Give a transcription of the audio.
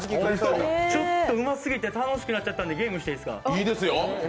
ちょっと、うますぎて楽しくなっちゃったんでゲームしていいですか。